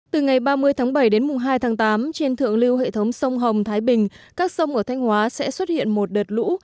từ ngày ba mươi tháng bảy đến mùng hai tháng tám trên thượng lưu hệ thống sông hồng thái bình các sông ở thanh hóa sẽ xuất hiện một đợt lũ